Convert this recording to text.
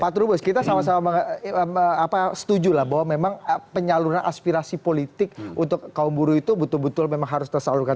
pak trubus kita sama sama setuju lah bahwa memang penyaluran aspirasi politik untuk kaum buruh itu betul betul memang harus tersalurkan